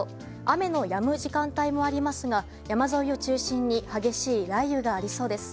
雨のやむ時間帯もありますが山沿いを中心に激しい雷雨がありそうです。